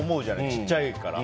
ちっちゃいから。